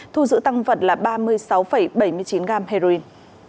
thu giữ tăng vật là ba mươi sáu bảy mươi chín gram heroin